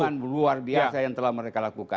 hubungan luar biasa yang telah mereka lakukan